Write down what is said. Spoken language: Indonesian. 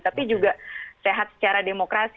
tapi juga sehat secara demokrasi